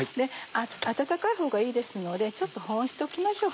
温かいほうがいいですのでちょっと保温しておきましょう。